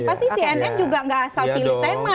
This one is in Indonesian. pasti cnn juga nggak asal pilih tema